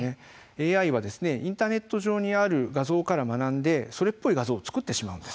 ＡＩはインターネット上にある画像から学んでそれっぽい画像を作ってしまうんです。